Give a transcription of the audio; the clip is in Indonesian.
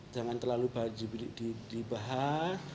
jangan terlalu dibahas